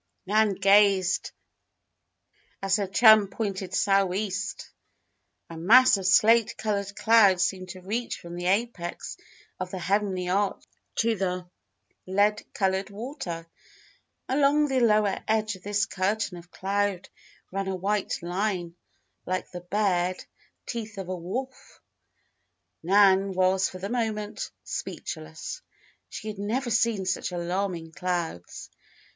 Nan gazed as her chum pointed "sou'east." A mass of slate colored clouds seemed to reach from the apex of the heavenly arch to the lead colored water. Along the lower edge of this curtain of cloud ran a white line, like the bared teeth of a wolf! Nan was for the moment speechless. She had never seen such alarming clouds.